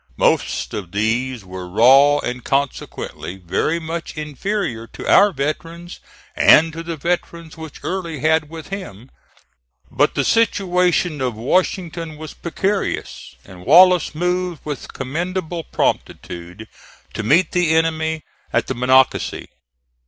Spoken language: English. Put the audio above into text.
Most of these were raw and, consequently, very much inferior to our veterans and to the veterans which Early had with him; but the situation of Washington was precarious, and Wallace moved with commendable promptitude to meet the enemy at the Monocacy.